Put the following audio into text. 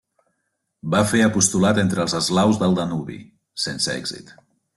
Va fer apostolat entre els eslaus del Danubi, sense èxit.